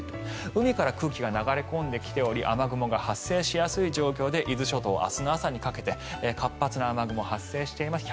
海から空気が流れ込んできており雨雲が発生しやすい状況で伊豆諸島、明日の朝にかけて活発な雨雲が発生しています。